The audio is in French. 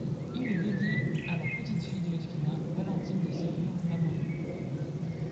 Il est dédié à la petite-fille de l'écrivain, Valentine de Ségur-Lamoignon.